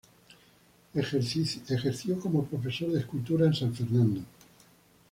Ejerció como profesor de escultura en San Fernando.